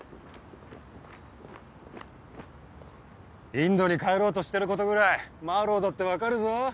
インドに帰ろうとしてることぐらいマーロウだって分かるぞ。